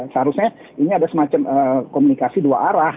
seharusnya ini ada semacam komunikasi dua arah